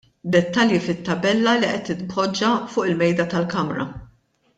Dettalji fit-tabella li qed titpoġġa fuq il-Mejda tal-Kamra.